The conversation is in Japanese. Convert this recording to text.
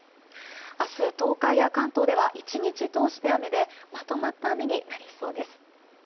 明日、東海や関東では１日通して雨でまとまった雨になりそうです。